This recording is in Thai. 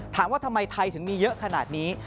ถามว่าทำไมไทยถึงมีเยอะขนาดนี้